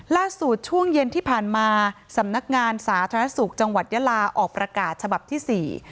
ช่วงเย็นที่ผ่านมาสำนักงานสาธารณสุขจังหวัดยาลาออกประกาศฉบับที่สี่